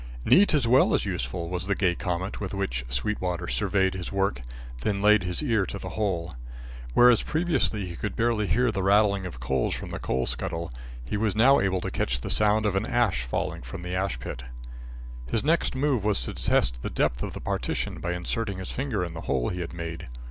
"Neat as well as useful," was the gay comment with which Sweetwater surveyed his work, then laid his ear to the hole. Whereas previously he could barely hear the rattling of coals from the coal scuttle, he was now able to catch the sound of an ash falling into the ash pit. His next move was to test the depth of the partition by inserting his finger in the hole he had made.